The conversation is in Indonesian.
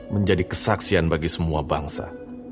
menjadi kesaksian bagi semua bangsa